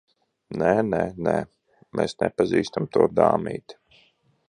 Nē, nē, nē. Mēs nepazīstam to dāmīti.